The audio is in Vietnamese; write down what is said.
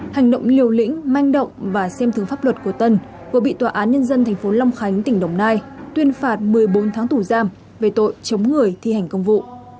hành động liều lĩnh manh động và xem thường pháp luật của tân vừa bị tòa án nhân dân tp long khánh tỉnh đồng nai tuyên phạt một mươi bốn tháng tù giam về tội chống người thi hành công vụ